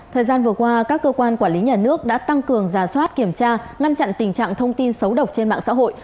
thời gian vừa qua các cơ quan quản lý nhà nước đã tăng cường giả soát kiểm tra ngăn chặn tình trạng thông tin xấu độc trên mạng xã hội